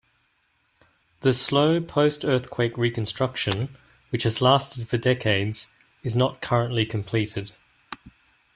The slow post-earthquake reconstruction, which has lasted for decades, is not currently completed.